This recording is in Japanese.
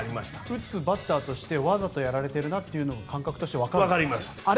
打つバッターとしてわざとやられているという感覚としてわかるんですか？